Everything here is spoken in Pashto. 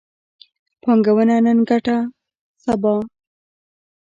پانګونه نن، ګټه سبا